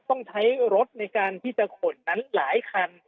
ต้องใช้รถในการที่จะขนนั้นหลายคัน